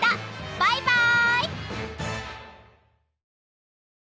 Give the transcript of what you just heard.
バイバイ。